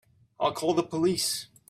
I'll call the police.